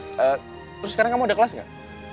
terus sekarang kamu udah kelas gak